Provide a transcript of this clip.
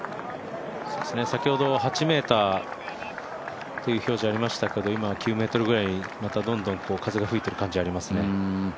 先ほど８メートルという表示がありましたけれども、今は９メートルぐらいにまたどんどん風が吹いている感じがありますね。